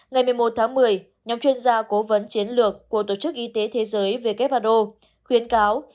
ngày một mươi một tháng một mươi nhóm chuyên gia cố vấn chiến lược của tổ chức y tế thế giới who khuyến cáo